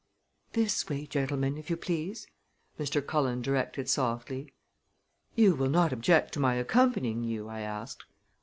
"This way, gentlemen, if you please," Mr. Cullen directed softly. "You will not object to my accompanying you?" I asked.